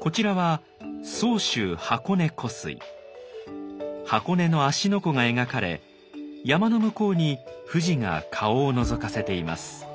こちらは箱根の芦ノ湖が描かれ山の向こうに富士が顔をのぞかせています。